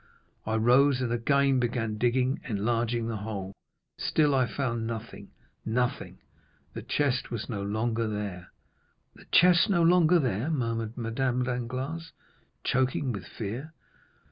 I rose, and again began digging and enlarging the hole; still I found nothing, nothing—the chest was no longer there!" 30269m "The chest no longer there?" murmured Madame Danglars, choking with fear.